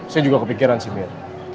saya juga kepikiran sih biar